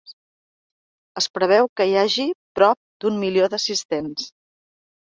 Es preveu que hi hagi prop d’un milió d’assistents.